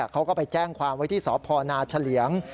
เขาก็ไปแจ้งความไว้ที่สพนาเฉลี่ยง